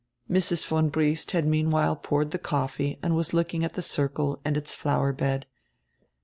Mrs. von Briest had meanwhile poured the coffee and was looking at the circle and its flower bed.